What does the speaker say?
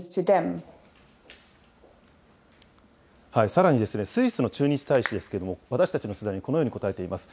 さらに、スイスの駐日大使ですけども、私たちの取材にこのように答えています。